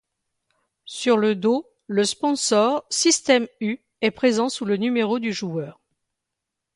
Sur le dos le sponsor Système U est présent sous le numéro du joueur.